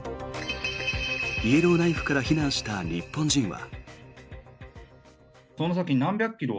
イエローナイフから避難した日本人は。